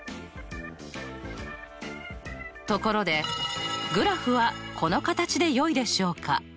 ところでグラフはこの形でよいでしょうか？